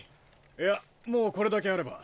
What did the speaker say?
いやもうこれだけあれば。